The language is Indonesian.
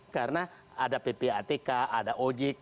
karena ada ppatk ada ojk